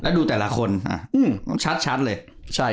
แล้วดูแต่ละคนชัดเลย